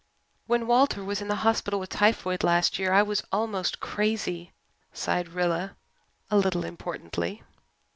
"When Walter was in the hospital with typhoid last year I was almost crazy," sighed Rilla, a little importantly.